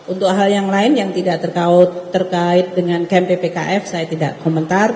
untuk hal yang lain yang tidak terkait dengan kmpkf saya tidak komentar